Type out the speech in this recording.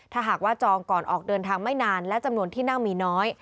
ถ้าหากว่าจองก่อนออกเดินทางไม่นานและจำนวนที่นั่งมีน้อย